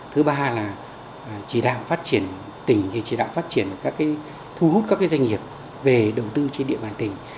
thứ ba là chỉ đạo phát triển tỉnh thì chỉ đạo phát triển các thu hút các doanh nghiệp về đầu tư trên địa bàn tỉnh